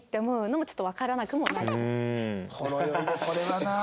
ほろ酔いでこれはなあ。